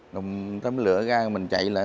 rồi nó mới lửa ra mình chạy lại